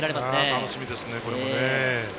楽しみですね、これもね。